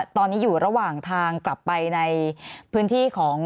ตอนนี้อยู่ระหว่างทางกลับไปในพื้นที่ของ